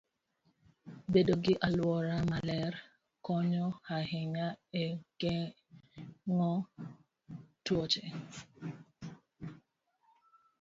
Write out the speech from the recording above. Bedo gi alwora maler konyo ahinya e geng'o tuoche.